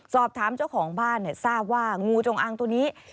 สอบถามเจ้าของบ้านเนี่ยทราบว่างูจงอางตัวนี้